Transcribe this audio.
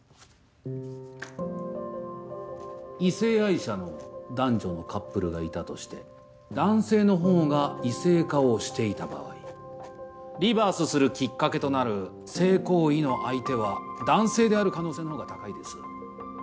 異性愛者の男女のカップルがいたとして男性の方が異性化をしていた場合リバースするきっかけとなる性行為の相手は男性である可能性の方が高いです。